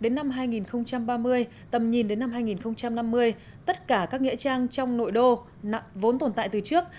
đến năm hai nghìn ba mươi tầm nhìn đến năm hai nghìn năm mươi tất cả các nghĩa trang trong nội đô vốn tồn tại từ trước